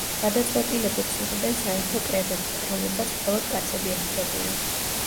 გადაწყვეტილებებს იღებენ საერთო კრებებზე, რომლებსაც მხოლოდ კაცები ესწრებიან.